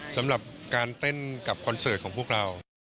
สำหรับการเต้นกับคอนเสิร์ตของพวกเรา